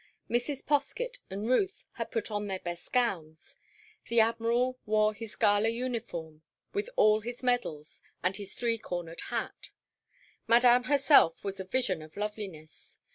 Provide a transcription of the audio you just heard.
Mrs. Poskett and Ruth had put on their best gowns; the Admiral wore his gala uniform with all his medals, and his three cornered hat. Madame herself was a vision of loveliness.